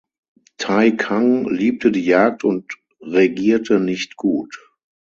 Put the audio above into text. Tai Kang liebte die Jagd und regierte nicht gut.